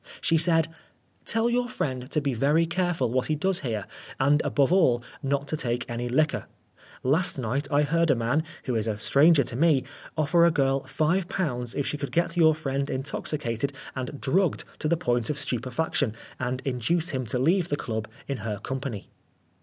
She said, "Tell your friend to be very careful what he does here, and above all not to take any liquor. Last night I heard a man, who is a stranger to me, offer a girl five pounds if she could get your friend intoxicated and drugged to the point of stupefaction, and induce him to leave the club in her company."